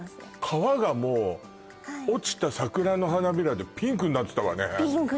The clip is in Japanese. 川がもう落ちた桜の花びらでピンクになってたわね